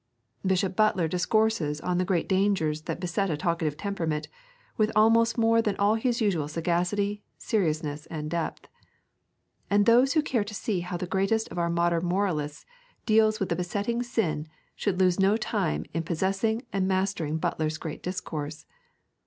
Bishop Butler discourses on the great dangers that beset a talkative temperament with almost more than all his usual sagacity, seriousness, and depth. And those who care to see how the greatest of our modern moralists deals with their besetting sin should lose no time in possessing and mastering Butler's great discourse.